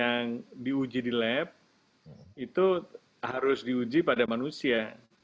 yang diuji di lab itu harus diuji pada manusia